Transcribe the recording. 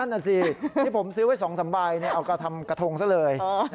นั่นน่ะสินี่ผมซื้อไว้๒๓ใบเอากระทำกระทงซะเลย